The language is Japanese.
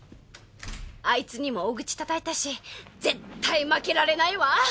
アイツにも大口叩いたし絶対負けられないわ！